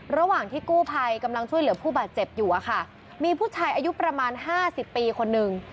ระหว่างที่กู้ภัยกำลังช่วยเหลือผู้บาดเจ็บอยู่อะค่ะมีผู้ชายอายุประมาณห้าสิบปีคนนึง